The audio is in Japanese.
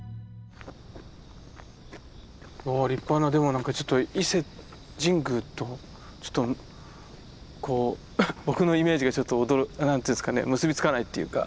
立派なでも何かちょっと伊勢神宮と僕のイメージがちょっと何て言うんですかね結びつかないっていうか。